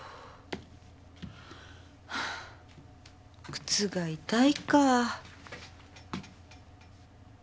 靴が痛いか。